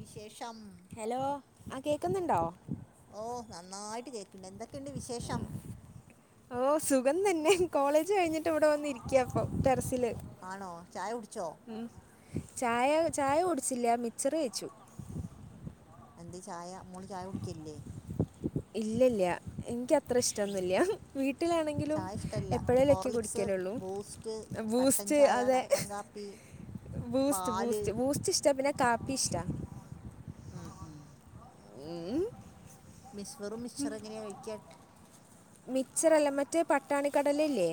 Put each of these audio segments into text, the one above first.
വിശേഷം ഹലോ ആ കേക്കുന്നുണ്ടോ ഓഹ് നന്നായിട്ട് കേക്ക്‌ണ്ട് എന്തൊക്കെണ്ട് വിശേഷം ഓഹ് സുഖം തന്നെ കോളേജ് കഴിഞ്ഞിട്ട് ഇവിടെ വന്ന് ഇരിക്കാപ്പം ടെറസില് ആണോ ചായ കുടിച്ചോ? ഉം ചായ ചായ കുടിച്ചില്ല മിക്ച്ചറ് കഴിച്ചു എന്തേ ചായ മോള് ചായ കുടിക്കലില്ലേ ഇല്ലല്ല എനിക്ക് അ ത്ര ഉം. ഇഷ്ട്ടൊന്നുല്ല വീട്ടിലാണെങ്കിലും ചായ ഇഷ്ടമല്ല എപ്പഴേലൊക്കെ ഹോർലിക്സ് കുടിക്കലുള്ളൂ ബൂസ്റ്റ് കട്ടൻ ബൂസ്റ്റ് ചായ അതെ കട്ടൻ കാപ്പി ബൂസ്റ്റ് പാല് ബൂസ്റ്റ് ബൂസ്റ്റ് ഇഷ്ട പിന്നെ കാപ്പി ഇഷ്ട്ടാ ഉം ഉം ഊം മിസ്ഫറും മിശ്ചറും എങ്ങനെയ കഴിക്കാ മിക്ച്ചറല്ല മറ്റേ പട്ടാണിക്കടല ഇല്ലേ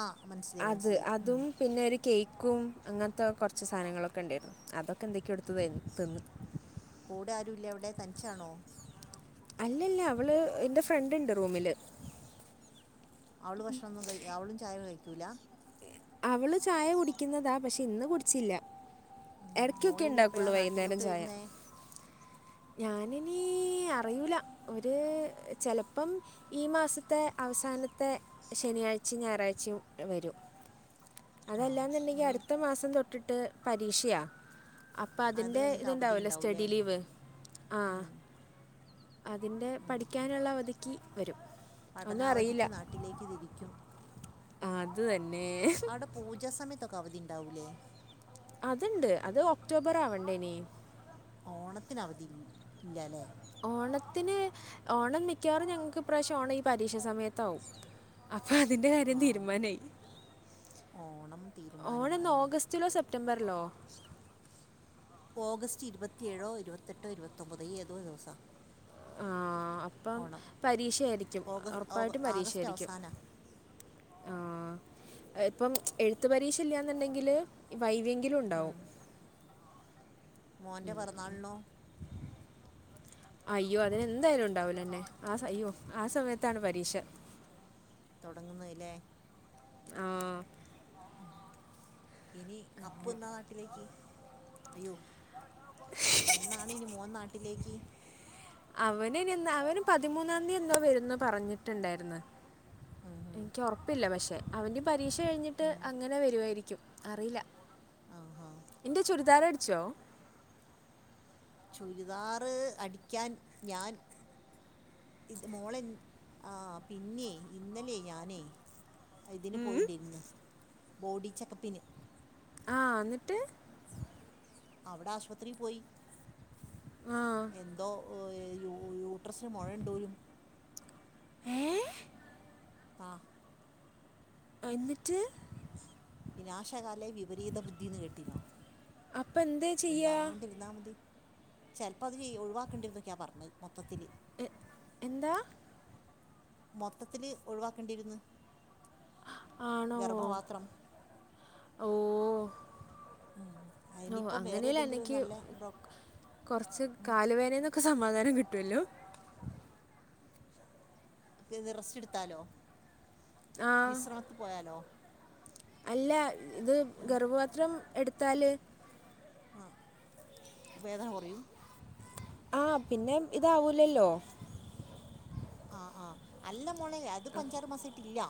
ആഹ് മൻസ് അത് അതും പിന്നൊരു കേക്കും അങ്ങനത്തെ കൊറച്ച് സാധനങ്ങളൊക്കെ ഉണ്ടായിരുന്നു അതൊക്കെ എന്തൊക്കെയോ എടുത്ത തിന്നു കൂടെ ആരൂല്ലെ അവിടെ തനിച്ചാണോ അല്ലല്ല അവള് എന്റെ ഫ്രണ്ടിണ്ട് റൂമില് അവള് ഭക്ഷണൊന്നും കയ് അവളും ചായ കഴിക്കൂല്ല അവള് ചായ കുടിക്കുന്നതാ പക്ഷെ ഇന്ന് കുടിച്ചില്ല ഉം. എടക്കൊക്കെ മോളിനി എപ്പോഴാ ഉണ്ടാക്കൂള്ളു വൈകുന്നേരം നാട്ടിലോട്ട് ചായ വരുന്നേ ഞാനിനി അറിയൂല്ല ഒരു ചെലപ്പം ഈ മാസത്തെ അവസാനത്തെ ശനിയാഴ്ചെ ഞായറാഴ്ചേം വരും ആ അതല്ലാന്നുണ്ടെങ്കി ഇനി അടുത്ത മാസം തൊട്ടിട്ട് പരീക്ഷയാ അപ്പം അത് അതിൻ്റെ കഴിഞ്ഞിട്ട് അവധി ഇതുണ്ടാവല്ലോ ഉണ്ടാവൂലേ സ്റ്റഡി ലീവ് ആഹ് ഉം. അതിന്റെ ഉം. പഠിക്കാനൊള്ള അവധിക്ക് വരും ഒന്നും അറിയില്ല പഠനാവധിക്ക് നാട്ടിലേക്ക് തിരിക്കും അത് തന്നേ അവിടെ പൂജാ സമയത്തൊക്കെ അവധിണ്ടാവുല്ലെ അതിണ്ട് അത് ഒക്ടോബർ ആവണ്ടെ ഇനി ഓണത്തിന് അവധി ഇല്ലാല്ലെ ഓണത്തിന് ഓണം മിക്കവാറും ഞങ്ങള്ക്ക് ഇപ്രാവശ്യം ഓണം ഈ പരീക്ഷ സമയത്താവും അപ്പൊ അതിന്റെ കാര്യം ആ തീരുമാനായി ഓണം ഓണന്ന തീരുമാനമായി ഓഗസ്റ്റിലോ സെപ്റ്റ റ്റംബർലോ ഓഗസ്റ്റ് ഇരുപത്തിയേഴോ ഇരുപത്തെട്ടോ ഇരുപത്തൊമ്പത് ഇയ്യേതോ ദിവസ ആഹ് അപ്പം പരീക്ഷയാരിക്കും ഓഗസ്റ്റ് ഒറപ്പായിട്ടും ആഗസ്റ്റ് പരീക്ഷായിരിക്കും അവസാന ആഹ് ഇപ്പം എഴുത്തു പരീക്ഷ ഇല്ലാന്നുണ്ടെങ്കില് വൈവേങ്കിലും ഉണ്ടാവും മോന്റെ പെറന്നാളിണൊ അയ്യോ അതിനെന്തായാലും ഉണ്ടാവില്ലന്നെ ആഹ് അയ്യോ ആ സമയത്താണ് പരീക്ഷ തൊടങ്ങുന്നല്ലേ ആഹ് ഇനി അപ്പു എന്നാ നാട്ടിലേക്ക് അയ്യോ എന്നാണ് ഇനി മോൻ നാട്ടിലേക്ക് അവനിനി എന്ന അവന് പതിമൂന്നാംതി എന്താ വരുന്ന് പറഞ്ഞിട്ടുണ്ടാര്ന്ന് ഉം ഹും, എനിക്ക് ഉറപ്പില്ല പക്ഷെ അവന്റെം പരീക്ഷ കഴിഞ്ഞിട്ട് ഉം. അങ്ങനെ വരുവാരിക്കും അറിയില്ല ഔ ഹൗ ഇന്റെ ചുരിദാറ് അടിച്ചോ ചുരിദാറ് അടിക്ക്യാൻ ഞാൻ ഇത് മോളൻ ആഹ് പിന്നെ ഇന്നലെ ഞാനേ ഇതിന് പോയിണ്ടിന്ന് ബോഡി ചെക്കപ്പിന് ആഹ് ന്നിട്ട് അവടെ ആസ്പത്രി പോയി ആ എന്തോ ഒയ് യു യൂട്രസിന് മൊഴെണ്ടോരും ഏഹ് ആഹ് എന്നിട്ട് വിനാശകാലേ വിപരീത ബുദ്ധിന്ന് കേട്ടിനൊ അപ്പെന്തെ മിണ്ടാണ്ടിരുന്ന മതി ചെലപ്പ അത് ഒഴിവാക്കേണ്ടിരുന്നക്കൊയ പറഞ്ഞെ മൊത്തത്തില് എ എന്താ മൊത്തത്തില് ഒഴിവാക്കണ്ടിരുന്ന് ആണോ ഓഹ് ഉം. ഓ അതിനിപ്പം വേറെ അങ്ങനേലു ഏതെങ്കിലും അന്നക്ക് നല്ല ഡോക്ടർ കൊറച്ച് കാല് വേനെന്നൊ ക്ക് സമാധാനം കിട്ടുവല്ലോ ഏത് റസ്റ്റ്‌ട്ത്താലോ ആ വിശ്രമത്ത് പോയാലോ അല്ല ത് ഉം. ഗർഭപാത്രം എട്ത്താല് ആ വേദന കൊറിം ആ പിന്നെ ഇതാവൂലല്ലോ ആ ആഹ് അല്ല മോളെ അത്പ്പഞ്ചാറ് മാസായിട്ടില്ല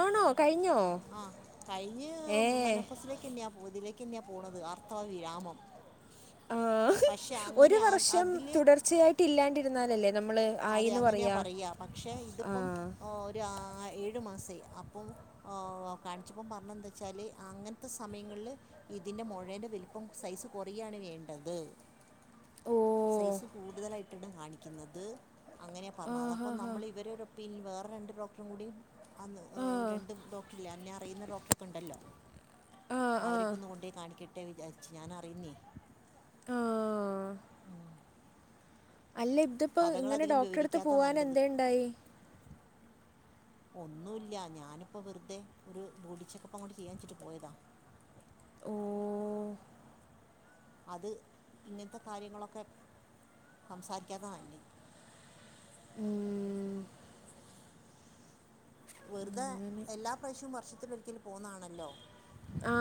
ആണോ കഴിഞ്ഞോ ആ കൈഞ്ഞ് ഏ മെനോപ്പസിലേക്കെന്നെയാ പോ തിലേക്കെന്നെയാ പോണത് ആർത്തവവിരാമം ആ ഹ ഒര് ആ- വർഷം അതില് തുടർച്ചയായിട്ട് ഇല്ലാണ്ടിരുന്നാലല്ലേ നമ്മള് ആ, ആയി അതെ ന്ന് അങ്ങനെയാ പറയാ പക്ഷെ ആ ഇത്പ്പം ഒരാ ഏഴു മാസായി അപ്പം ഓ അ കാണ്ച്ചപ്പം പറഞ്ഞെന്താ ച്ചാല് അങ്ങൻത്തെ സമയങ്ങൾ ല് ഇതിന്റെ മൊഴേന്റെ വല് പ്പം സൈസ് കൊറയാണ് വേണ്ടത് ഓ സൈസ് കൂടുതലായിട്ടാണ് കാണിക്കുന്നത് അങ്ങനെ ആ പർഞ്ഞെ അതാ പ്പം ഹാ ഹാ നമ്മൾ ഇവരൊരൊ ഒപ്പീൻ വേറെ രണ്ട് ഡോക്ടറും കൂടി അന്ന് അ ആ രണ്ട് ഡോക്ടറില്ലേ എന്നെ അറിയ്ന്ന ഡോക്ടറൊക്കെ ണ്ടല്ലോ ആ ആ അവരൊക്കൊന്ന് കൊണ് ണ്ടോയി കാണിക്കട്ടെ വിചാ ർച്ച് ഞാൻ അറിയുന്നേ ആ ഉം അല്ല ത്പ്പോ ഇങ്ങനെ കഥകളധികം ഡോക്ടറെ ട്ത്ത് വിവരിക്കാത്ത നല്ലത് പോവാനെന്തേ ണ്ടായി ഒന്നുല്ല ഞാന്പ്പോ വെർതെ ഒരു ബോഡി ചെക്കപ്പങ്ങോട്ട് ചെയ്യാ ച്ചിട്ട് പോയതാ ഓ അത് ഇങ്ങൻത്തെ കാര്യങ്ങളൊക്കെ സംസാരിക്കാത്ത നല്ലെ ഉം വെർതെ എല്ലാ പ്രാശ്യും വർഷത്തിലൊരിക്കല് പോവുന്നാണല്ലോ ആ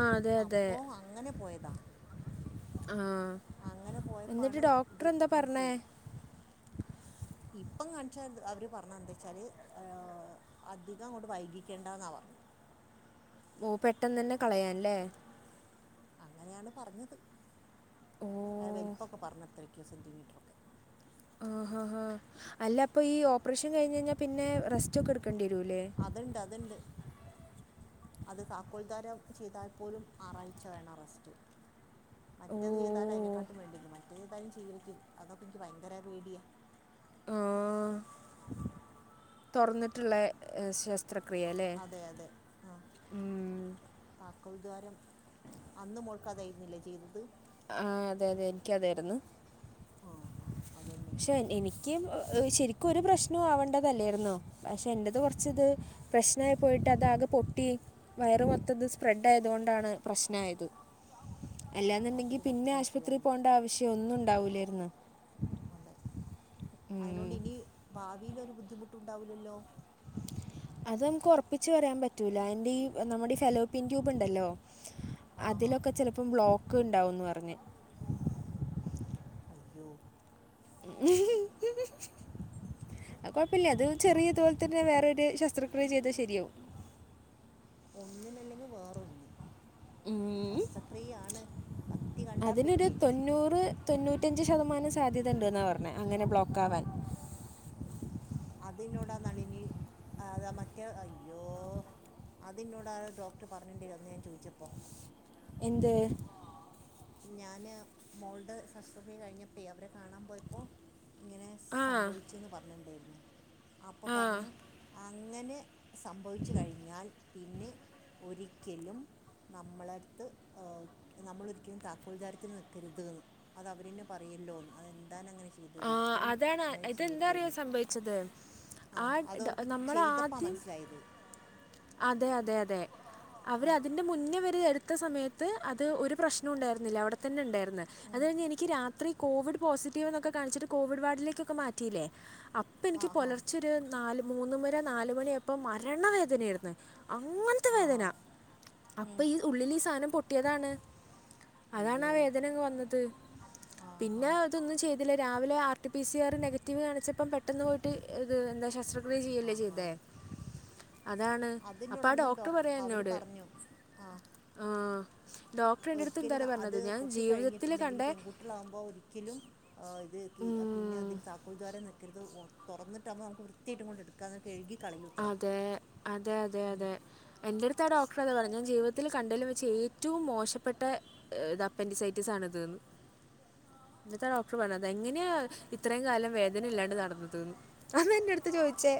അപ്പൊ അങ്ങനെ പോയതാ ആഹ് അങ്ങനെ പോയപ്പാണ് ത് മൻസ് പറഞ്ഞേ ഇപ്പം കാണ്ച്ചായിര്ന്നു അവർ പർഞ്ഞെ ന്താ ച്ചാൽ ഏഹ് അധിക ങ്ങോട്ട് വൈകിക്കേണ്ടന്നാ പർഞ്ഞെ ഓ പെട്ടെന്നെ ന്നെ കളയാൻ ലെ അങ്ങനെയാണ് പറഞ്ഞത്. ഓ അ വെൽപ്പൊക്കെ പർഞ് എത്രക്കോ സെൻറിമീറ്ററൊക്കെ ആ ഹ ഹാ അല്ല പ്പൊ ഈ ഓപ്പറേഷൻ കൈഞയ്ഞ്ഞാ പിന്നെ റെസ്‌റ്റോക്കെ ട്ക്കണ്ട്യരൂലേ അത്ണ്ട് അത്ണ്ട് അത് താക്കോൽദാരം ചെയ്താൽ പോലും ആറാഴ്ച വേണം റസ്റ്റ് ഓ മറ്റത് ചെയ്താലയ്നെക്കാട്ടിം വേണ്ടിയെരും മറ്റതേ താലും ചെയ്യേക്കും അതൊക്കെ ഇന്ക്ക് ഭയങ്കര പേടിയാ ആഹ് തൊർന്ന്ട്ട്ള്ളെ എസ് സ് ത്രക്രിയലെ അതെ അതെ ആഹ് താക്കോൽദ്വാരം അന്ന് മോൾക്കതായിരുന്നില്ലേ ചെയ്തത് ആഹ് അതെ അതെ ഇന്ക്കതായിര്ന്ന് ആഹ് ഹാ അതെന്നെ എ എനിക്ക് ശരിക്കു ഒരു പ്രശ്നും ആവേണ്ടതല്ലേർന്നു പക്ഷെ എന്റേത് കൊറ്ച്ച്ത് പ്രശ്നായി പോയിട്ട് അതാകെ പൊട്ടി വയറ് മൊത്തത്ത് സ്പ്രെഡായതൊണ്ടാണ് പ്രശ്നായത് അല്ലാന്ന്ണ്ടെങ്കി വല്ലാത്തൊരു കഷ്ടമായിപ്പോയി പിന്നാശ്പത്രി അന്ന് പോണ്ടാവശ്യം ഒന്നും ഉണ്ടാവൂലേറ്ന്ന് അതെ ഉം. അയ്നോണ്ടിനി ഭാവീലൊരു ബുദ്ധിമുട്ടുണ്ടാവൂലല്ലോ അത് നമ്ക്കൊറ്പ്പിച്ച് പറയാൻ പറ്റൂല അയ്ന്റെ ഈ നമ്മുടെ ഈ ഫെലോപിൻ ട്യൂബ്ണ്ടല്ലോ ആഹാ അതിലൊക്കെ ചെലപ്പോ ബ്ലോക്ക്ണ്ടാവുന്ന് പറ്ഞ്ഞ് അയ്യോ അത് കൊഴപ്പല്ല്യാ ഇത് ചെറ്യേ അപ്പൊ ഇതോല് തെ ന്നെ വേറൊര് ശസ്ത്രക്രിയ ചെയ്താ ശര്യാവും ഒന്നിനല്ലെങ്കി വേറൊന്ന് ഉം. ശസ്ത്രക്രിയയാണ് കത്തി കണ്ടാ അതിനൊരു പേട്യാ എനിക്ക് തൊണ്ണൂറ് തൊണ്ണൂറ്റഞ്ച് ശതമാനം സാധ്യതണ്ട്ന്നാ പറഞ്ഞേ അങ്ങനെ ബ്ലോക്കാവാൻ അതിനോട നളിനി അതാ മറ്റേ അയ്യോ അതിനോടാ ആ ഡോക്ർ പറഞ്ഞിണ്ടാരുന്നു അന്ന് ഞാൻ ചോയിച്ചപ്പം എന്ത് ഞാന് മോൾടെ ശാസ്ത്രക്രിയ കഴിഞ്ഞപ്പോ അവരെ കാണാൻ പോയപ്പൊ ഇങ്ങനെ ആ സംഭവിച്ചുന്ന് പറഞ്ഞ്ണ്ടായിരുന്നു അപ്പോ ആ പറഞ്ഞ് അങ്ങനെ സംഭവിച്ച് കഴിഞ്ഞാൽ പിന്നെ ഒരിക്കലും നമ്മളട്ത്ത് ഏഹ് നമ്മളൊരി ക്കലും താക്കോൽദാരത്തിന് നിൽക്കര്ത് ന്ന് അത് അവരെന്നെ പറയല്ലോന്ന് അതെന്താനങ്ങനെ ചെയ്തത് ആ ഒരിക്കലും അതാണ് അങ്ങനെ ഇതെന്താ അറിയോ ചെയ്യര്തേര്ന്ന് സംഭവിച്ചത് ആ ആഹ് അത് ഡ- ഓര്ക്ക് നമ്മൾ ചെയ്തപ്പാ ആദ്യം മനസ്സിലായത് അതെ അതെ അതെ ആ അവരതി ന്റെ മുന്നേ വരെ എടുത്ത സമയത്ത് അത് ഒരു പ്രശ്നോം ഉണ്ടായിരുന്നില്ല അവിടെത്തന്നെ ഇണ്ടാർന്ന് അത് ഉം കഴിഞ്ഞ് എനിക്ക് രാത്രി കോവിഡ് പോസിറ്റീവ് എന്നൊക്കെ കാണിച്ചിട്ട് കോവിഡ് വാർഡിലേക്കൊക്കെ മാറ്റീലേ അ അപ്പനിക്ക് ആഹാ പൊലർച്ചോര് നാല് മൂന്ന് മരെ നാലുമണിയാപ്പോ മരണവേദനായാരുന്ന് അങ്ങനെ ആഹ് ഹാ അപ്പ ഈ ഉള്ളില് ഈ സാനം പൊട്ടിയതാണ് അതാണ് ആ അയ്യോ വേദന അങ്ങ് വന്നത് പിന്നെ ആഹാ ഇതൊന്നും ചെയ്തില്ല രാവിലെ R T P C R negative കാണിച്ചപ്പം പെട്ടെന്ന് പോയിട്ട് ഇത് എന്താ ശസ്ത്ര ക്രിയ ചെയ്യല്ലേ ചെയ്തേ അതാണ് അപ്പം ആ അതെന്നോടന്ന് ഡോക്ടർ ഡോക് അവര് പറഞ്ഞു ആഹ് ആഹ് ഡോക്ടറെന്റട്ത്ത് എന്താറിയോ പറഞ്ഞത് ഞാൻ ജീവിതത്തില് കണ്ടേ ട്ട്ളാവുമ്പോ ഒരിക്കലും ഇത് കി പിന്നെ ഉം, അതിന് താക്കോൽ ധ്വാരം നിക്കര്ത് വോ തൊറന്ന്ട്ടാവുമ്പം നമുക്ക് വൃത്ത്യായിട്ട് ഇങ്ങോട്ടെട് ക്കാന്ന് കഴുകി കളയൂത്രേ അതെ അതെ അതെ മ്മ് അതെ എൻ്റെ അട്ത്ത് ആ ഡോക്ടറതാ പറഞ്ഞേ‍ ഞാൻ ജീവിതത്തില് കണ്ടേലും വെച്ച് ഏറ്റവും മോശപ്പെട്ടെ ഇത് അപ്പന്റിസൈറ്റിസാണ് ഇത്ന്ന് ഇന്ന്ട്ട് ആ ഡോക്ടർ പറഞ്ഞത് എങ്ങന്യാ ഇത്രയും കാലം വേദന ഇല്ലാണ്ട് നടന്നത് ന്ന് അതാ എന്റെട്ത്ത് ചോയിച്ചേ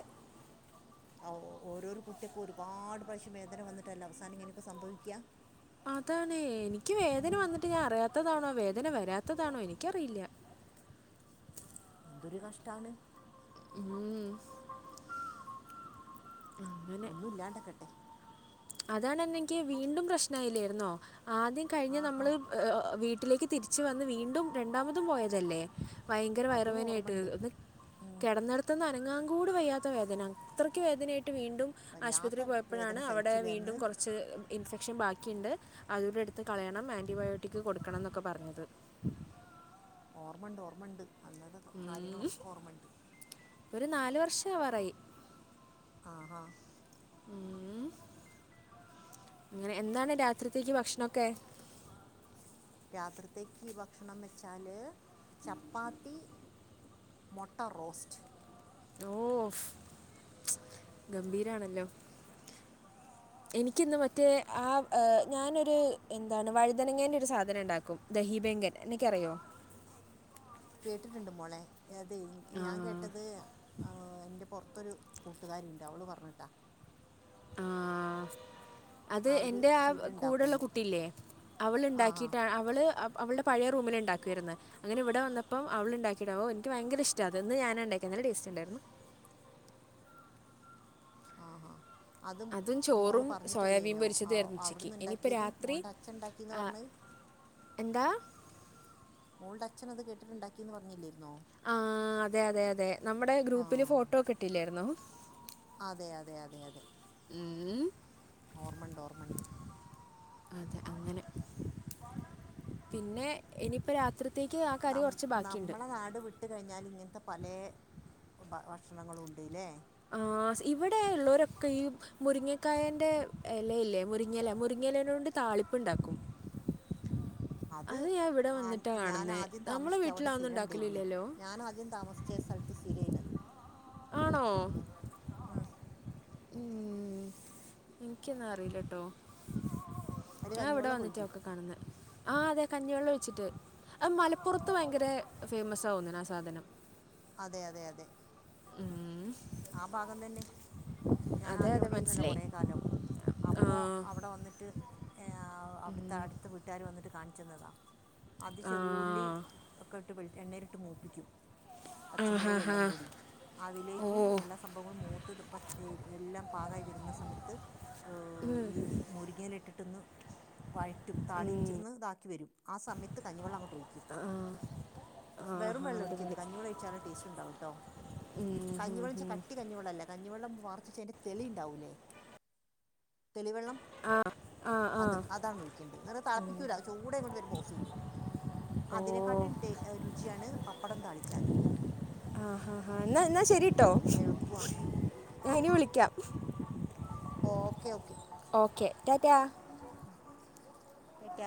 ആവ് ഓരോരോ കുട്ട്യേക്കും ഒരുപാട് പ്രാവശ്യം വേദന വന്ന്ട്ടല്ലേ അവസാനം ഇങ്ങനൊക്കെ സംഭവിക്ക്യാ അതാണേ എനിക്ക് വേദന വന്നിട്ട് ഞാൻ അറിയാത്തതാണോ വേദന വരാത്തതാണോ എനിക്കറിയില്ല എന്തൊരു കഷ്ടാണ് മ് ഒന്നുല്ലാണ്ടാക്കട്ടെ അതണെന്നിക്ക് വീണ്ടും പ്രശ്നായില്ലായിരുന്നോ ആദ്യം കഴിഞ്ഞ ആഹാ നമ്മള് വീട്ടിലേക്ക് തിരിച്ച് വന്ന് വീണ്ടും രണ്ടാമതും പോയതല്ലേ ഭയങ്കര വയറ് അതും വേനായിട്ട് ഓർമ്മയുണ്ട് ഒന്ന് ഉം. കിടന്നിട ത്ത് നിന്ന് അനങ്ങാൻ കൂട് വയ്യാത്ത വേദന അത്രക്ക് വേദനയായിട്ട് വീണ്ടും വല്ലാത്ത ആശുപത്രിയിൽ വേദന പോയപ്പോഴാണ് അവടെ സഹിച്ചില്ലേ അന്ന് വീണ്ടും കൊറ കുറച്ച് ഇൻഫെക്ഷൻ ബാക്കിയിണ്ട് അതൂടെ എടുത്ത് കളയണം ആന്റിബയോട്ടിക്ക് കൊടുക്കണം എന്നൊക്കെ പറഞ്ഞത് ഓർമ്മണ്ട് ഓർമ്മണ്ട് അന്നത്തെ ഉം. കാര്യങ്ങളൊക്കെ ഓർമ്മണ്ട് ഒരു നാല് വർഷമാവാറായി ആഹാ മ് ഇങ്ങനെ എന്താണ് രാത്രിത്തേക്ക് ഭക്ഷണൊക്കെ രാത്രിത്തേക്ക് ഭക്ഷണം വെച്ചാല് ചപ്പാത്തി മൊട്ട റോസ്റ്റ് ഓ ഗംഭീരാണല്ലോ എനിക്കിന്ന് മറ്റേ ആ് ഞാനൊരു എന്താണ് വഴുതനങ്ങേന്റെ ഒരു സാധനം ഉണ്ടാക്കും ദഹിബെങ്കൻ നിക്കറിയോ കേട്ടിട്ടുണ്ട് മോളെ അതെ ആ, ഞാൻ കേട്ട- കേട്ടത് എന്റെ പുറത്തൊരു കൂട്ടുകാരുണ്ട് അവള് പറഞ്ഞിട്ടാ ആ, അത് അവർ എന്റെ ആ സ്ഥിരം കൂടെള്ള ഉണ്ടാക്കുന്നു കുട്ടില്ലേ അവള് ആ ഹാ ഉണ്ടാക്കിട്ടാണ് അവള് അവളുടെ പഴയ റൂമില് ഇണ്ടാക്കുവാരുന്ന് അങ്ങനെ ഇവിടെ വന്നപ്പോ അവള് ഉണ്ടാക്കിയതാ ഒ എനിക്ക് ഭയങ്കര ഇഷ്ടാത് ഇന്ന് ഞാനാ ഉണ്ടാക്കിയത് നല്ല ടേസ്റ്റ് ഉണ്ടായിരുന്നു ആഹ അതും മോള് ചോറും സോയാബീൻ പറഞ്ഞിട്ടല്ലേനോ പൊരിച്ചതുമായിരുന്നു ഉച്ചയ്ക്ക് അവിടുന്ന് ഇനിയിപ്പോൾ ഉണ്ടാക്കിയത് രാത്രി മോൾടെ അച്ഛൻ ഉണ്ടാക്കിയന്ന് ആ, പറഞ്ഞത് എന്താ മോൾടെ അച്ഛന അത് കേട്ടിട്ടുണ്ടാക്കിന്ന് പറഞ്ഞില്ലിരുന്നോ ആ അതെ അതെ അതെ നമ്മുടെ ആ ഗ്രൂപ്പില് ഫോട്ടോ ഒക്കെ ഇട്ടില്ലായിരുന്നോ അതെ അതെ അതെ അതെ ഉം. ഓർമ്മണ്ട് ഓർമ്മണ്ട് അതെ അങ്ങനെ പിന്നെ ഇനിയിപ്പ രാത്രി നമ്മ നമ്മളെ നാട് വിട്ട- വിട്ട് കഴിഞ്ഞാൽ ഇങ്ങനത്തെ പല ഭക്ഷണങ്ങളും ഉണ്ട് അല്ലേ ഇവിടെ ഇള്ളോരൊക്കെ ഈ- മുരിങ്ങക്കായന്റെ എല ഇല്ലേ മുരിങ്ങല മുരിങ്ങലേന കൊണ്ട് താളിപ്പുണ്ടാക്കും അത് ഞാൻ ഇവിടെ വന്നിട്ടാണ് ഞാൻ കാണുന്നത് ആദ്യം നമ്മളെ താമസിച്ച അവിടെ വീട്ടിലൊന്നും സ്ഥിരം ഉണ്ടായിരുന്നു ഉണ്ടാക്കലില്ലല്ലോ ഞാൻ ആദ്യം താമസിച്ച ച്ചേ സ്ഥലത്ത് സ്ഥിര്യുന്നത് ആണോ ആഹ് ഉ എനിക്കൊന്നും അറിയില്ല കേട്ടോ അതില് ഞാൻ ഇവിടെ കഞ്ഞിവെള്ളം വന്നിട്ട് ഒഴിക്കും നോക്ക കാണുന്നേ ആഹ് അതെ കഞ്ഞിവെള്ളം വെച്ചിട്ട് ആ മലപ്പുറത്ത് ഭയങ്കര ഫേമസ് ആവുന്ന ആ സാധനം അതെ അതെ അതെ ഉം, ആ ഭാഗം തന്നെ അതെ ഞാനാദ്യം അതെ അവിടെ ആയിരുന്നല്ലോ മനസ്സിലായി കൊറെ കാലം അപ്പോ ആ അവടെ വന്നിട്ട് ഏ അവിടുത്തെ അടുത്ത വീട്ടുകാര് വന്നിട്ട് കാണിച്ചന്നതാ അത് ആ ചെറിയുള്ളി ഒക്കെ ഇട്ട് എണ്ണേലിട്ട് മൂപ്പിക്കും ആ ഹാ പച്ചമുളകും ഹാ എല്ലാം കൂടി ഓ അതിലേക്ക് എല്ലാ സംഭവങ്ങളും മൂത്ത് എല്ലാം പാകായി വരുന്ന സമയത്ത് ഈ മുരിങ്ങയില ഇട്ടിട്ട്ന്ന് വഴറ്റും താളിച്ചെന്ന് ഇതാക്കിവരും ആ സമയത്ത് കഞ്ഞിവെള്ളം അങ്ങോട്ടൊഴിക്കും ആ വെറും ഹാ വെള്ള ഒഴിക്കരുത് അടിപൊളി കഞ്ഞിവെള്ളം ഒഴിച്ചാലെ ടേസ്റ്റ് ഉണ്ടാവുട്ടോ കഞ്ഞിവെള്ളന്നാ വെച്ച കട്ടി- കഞ്ഞിവെള്ളല്ലേ കഞ്ഞിവെള്ളം വാർച്ചിച്ചേന്റെ തെളി ഉണ്ടാവൂലേ തെളിവെള്ളം അത് അതാണ് ഒഴിക്കേണ്ടത് വെള്ളം തിളപ്പിക്കൂല ചൂട് ഇങ്ങോട് വരുമ്പോൾഓഫ് ചെയ്യും ഓ അതിനെക്കാട്ടും ടെ രുചിയാണ് പപ്പടം താളിച്ചാൽ ആഹ് എന്നാ എന്നാ ശെരിട്ടോ അത് എളുപ്പമാണ് ഞാ ഇനി വിളിക്കാം okay okay okay tata Tata